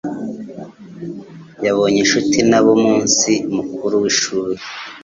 Yabonye inshuti nabo mu munsi mukuru w’ishuri.